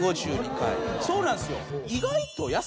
そうなんですよ。